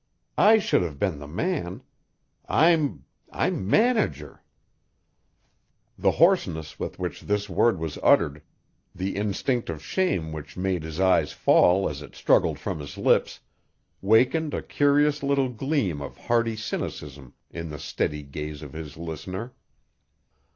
I should have been the man. I'm I'm manager." The hoarseness with which this word was uttered, the instinct of shame which made his eyes fall as it struggled from his lips, wakened a curious little gleam of hardy cynicism in the steady gaze of his listener.